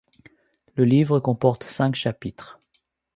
Le livre comporte cinq chapitres.